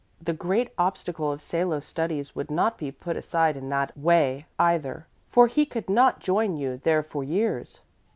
The great obstacle of Salo's studies would not be put aside in that way, either, for he could not join you there for years."